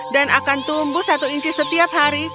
dan akan tumbuh satu inci setiap hari